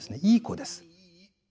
いい子です。